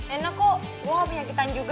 enak kok gue gak punya yang kita juga